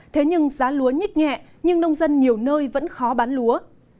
thế nhưng giá lúa nhích nhẹ nhưng nông dân nhiều nơi vẫn khó bán lúa